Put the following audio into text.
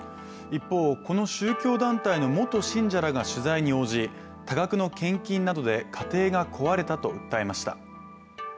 一方、この宗教団体の元信者らが取材に応じ多額の献金などで家庭が壊れたと訴えました。